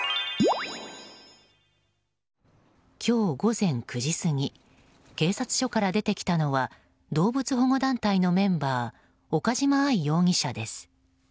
今日午前９時過ぎ警察署から出てきたのは動物保護団体のメンバー岡島愛容疑者です。